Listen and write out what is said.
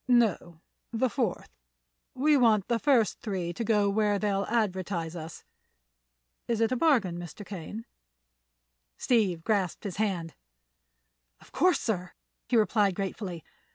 "No, the fourth. We want the first three to go where they'll advertise us. Is it a bargain, Mr. Kane?" Steve grasped his hand. "Of course, sir," he replied gratefully.